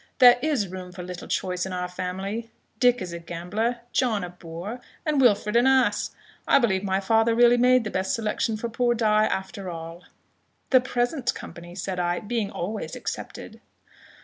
"There is room for little choice in our family; Dick is a gambler, John a boor, and Wilfred an ass. I believe my father really made the best selection for poor Die, after all." "The present company," said I, "being always excepted."